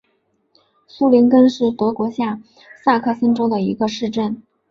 苏林根是德国下萨克森州的一个市镇。